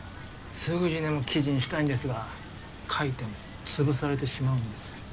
すぐにでも記事にしたいんですが書いても潰されてしまうんですよ。